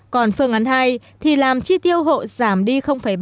còn phương án hai thì làm chi tiêu hộ giảm đi ba mươi hai